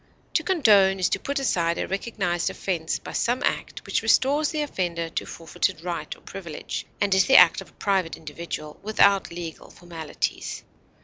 To condone is to put aside a recognized offense by some act which restores the offender to forfeited right or privilege, and is the act of a private individual, without legal formalities.